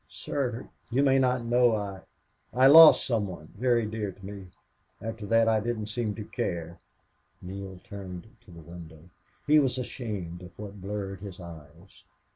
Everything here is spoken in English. "Sir, you may not know I I lost some one very dear to me. After that I didn't seem to care." Neale turned to the window. He was ashamed of what blurred his eyes.